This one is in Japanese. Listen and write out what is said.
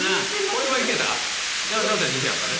これは行けた？